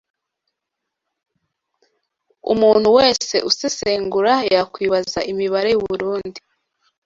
Umuntu wese usesengura yakwibaza imibare y’u Burundi